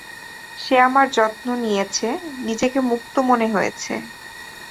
সে আমার যত্ন নিয়েছে, নিজেকে মুক্ত মনে হয়েছে।